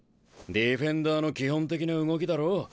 ディフェンダーの基本的な動きだろ。